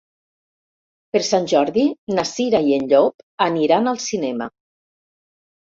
Per Sant Jordi na Cira i en Llop aniran al cinema.